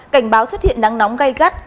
cảnh báo xuất hiện nắng nóng gây gắt